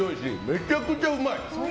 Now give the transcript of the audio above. めちゃくちゃうまい。